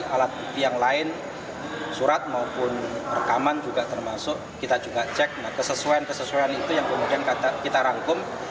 alat yang lain surat maupun rekaman juga termasuk kita juga cek kesesuaian kesesuaian itu yang kemudian kita rangkum